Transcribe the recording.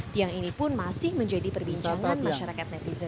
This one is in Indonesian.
tiang ini pun masih menjadi perbincangan masyarakat netizen